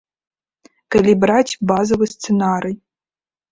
Калі браць базавы сцэнарый.